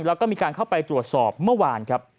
แล้วก็มีการเข้าไปตรวจสอบเมื่อวานครับ